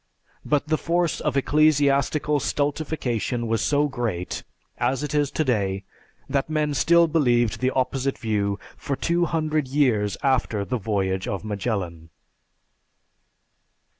But the force of ecclesiastical stultification was so great, as it is today, that men still believed the opposite view for two hundred years after the voyage of Magellan.